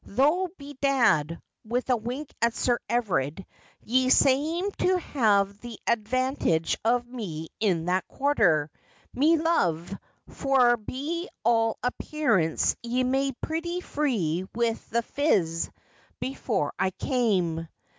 Though bedad,' with a wink at Sir Everard, : ye same to have the advantige of me in that quarter, me lov', for be all appearance ye made pretty free with the fiz before I came.'